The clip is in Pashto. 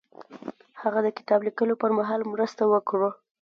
هغه د کتاب لیکلو پر مهال مرسته وکړه.